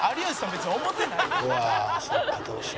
別に思ってないでしょ」